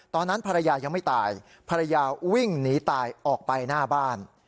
ตอนนั้นภรรยายังไม่ตายภรรยาวิ่งหนีตายออกไปหน้าบ้าน